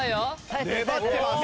粘ってます。